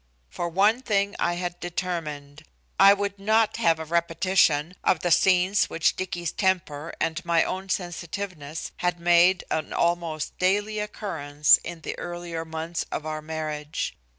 For one thing I had determined. I would not have a repetition of the scenes which Dicky's temper and my own sensitiveness had made of almost daily occurrence in the earlier months of our marriage.